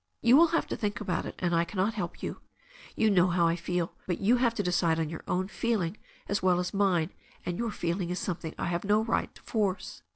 "You will have to think about it, and I cannot help you. You know how I feel, but yo»' have to decide on your own feeling as well as mine, and your feeling is something I ^ have no right to force.